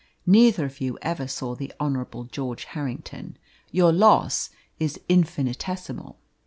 Neither of you ever saw the Honourable George Harrington; your loss is infinitesimal.